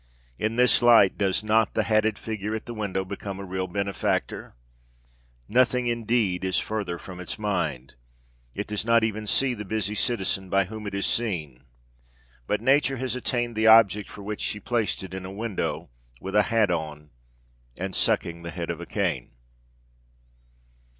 In this light does not the hatted figure at the window become a real benefactor? Nothing, indeed, is further from its mind. It does not even see the busy citizen by whom it is seen. But Nature has attained the object for which she placed it in a club window with a hat on and sucking the head of a cane.